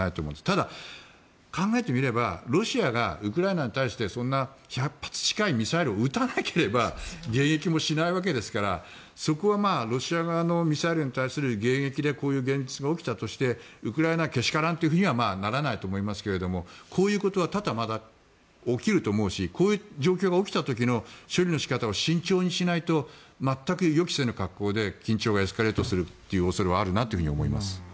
ただ、考えてみればロシアがウクライナに対して１００発近いミサイルを撃たなければ迎撃もしないわけですからそこはロシア側のミサイルに対する迎撃でこういう現実が起きたとしてウクライナけしからんとはならないと思いますがこういうことは多々、まだ起きると思うしこういう状況が起きた時の処理の仕方を慎重にしないと全く予期せぬ格好で緊張がエスカレートする恐れはあるなと思います。